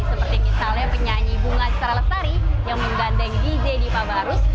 seperti misalnya penyanyi bunga cisaralesari yang menggandeng dj dipa barus